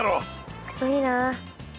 うくといいなあ。